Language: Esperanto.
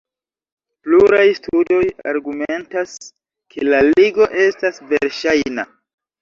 Pluraj studoj argumentas ke la ligo estas verŝajna.